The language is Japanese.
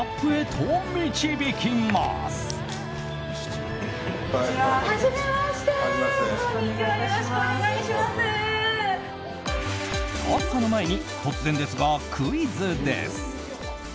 と、その前に突然ですがクイズです。